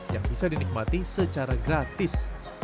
yang bisa dinikmati secara gratis